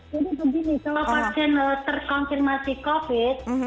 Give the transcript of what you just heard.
jadi begini kalau pasien terkonfirmasi covid